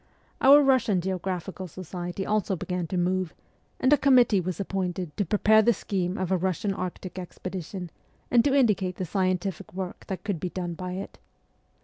Our Russian Geographical Society also began to move, and ST. PETERSBURG 13 a committee was appointed to prepare the scheme of a Eussian Arctic expedition, and to indicate the scientific work that could be done by it.